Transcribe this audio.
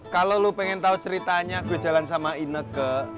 kalau lo pengen tahu ceritanya gue jalan sama ine ke